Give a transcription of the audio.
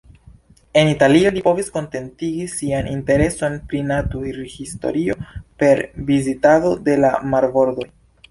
En Italio, li povis kontentigi sian intereson pri naturhistorio per vizitado de la marbordoj.